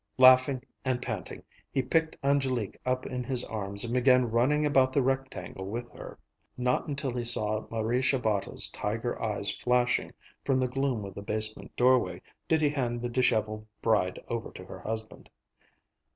Laughing and panting, he picked Angélique up in his arms and began running about the rectangle with her. Not until he saw Marie Shabata's tiger eyes flashing from the gloom of the basement doorway did he hand the disheveled bride over to her husband.